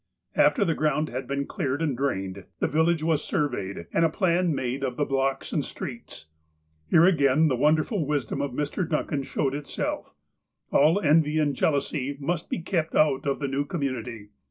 After the ground had been cleared and drained, the village was surveyed, and a plan made of the blocks and streets. Here again the wonderful wisdom of Mr. Duncan showed itself. All envy and jealousy must be kept out of the new community.